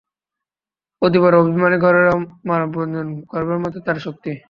অতিবড়ো অভিমানী ঘরেরও মানভঞ্জন করবার মতো তার শক্তি।